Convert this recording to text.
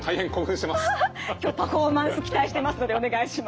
今日パフォーマンス期待してますのでお願いします。